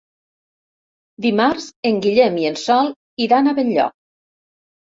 Dimarts en Guillem i en Sol iran a Benlloc.